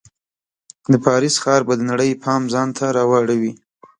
د پاریس ښار به د نړۍ پام ځان ته راواړوي.